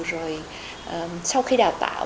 rồi sau khi đào tạo